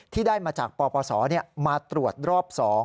ที่ได้มาจากปปศมาตรวจรอบ๒